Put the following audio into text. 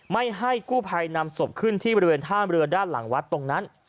ไม่ให้กู้ภัยนำศพขึ้นที่บริเวณท่ามเรือด้านหลังวัดตรงนั้น